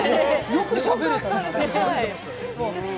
よくしゃべれたね。